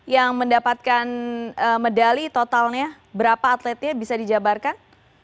yang mendapatkan medali totalnya berapa atletnya bisa dijabarkan